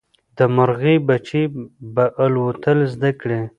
د مرغۍ بچي به الوتل زده کړي.